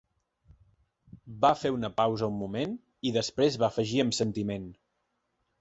Va fer una pausa un moment, i després va afegir amb sentiment.